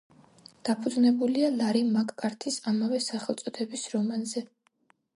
დაფუძნებულია ლარი მაკ-კართის ამავე სახელწოდების რომანზე.